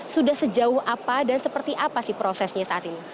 sudah sejauh apa dan seperti apa sih prosesnya saat ini